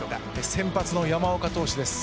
先発の山岡投手です。